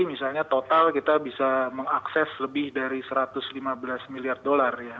misalnya total kita bisa mengakses lebih dari satu ratus lima belas miliar dolar ya